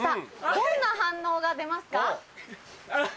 どんな反応が出ますか？」。